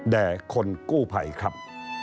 แด่คนกู้ภัยครับ